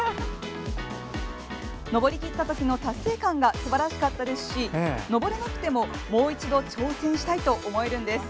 登りきったときの達成感がすばらしかったですし登れなくてももう一度挑戦したいと思えるんです。